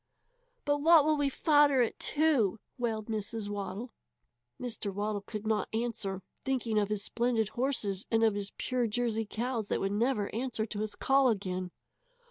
"But what will we fodder it to?" wailed Mrs. Waddle. Mr. Waddle could not answer, thinking of his splendid horses, and of his pure Jersey cows that would never answer to his call again.